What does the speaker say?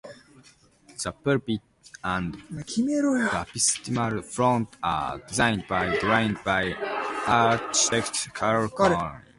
The pulpit and baptismal font are designed by drawings by architect Carl Corwin.